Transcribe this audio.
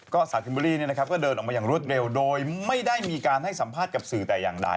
ก็สาวคิมเบอร์รี่ก็เดินออกมาอย่างรวดเร็วโดยไม่ได้มีการให้สัมภาษณ์กับสื่อแต่อย่างใด